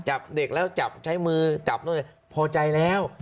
จับเด็กแล้วจับใช้มือจับโดนอย่างนั้น